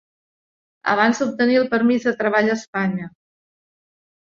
Abans d'obtenir el permís de treball a Espanya.